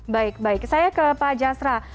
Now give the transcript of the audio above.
baik baik saya ke pak jasra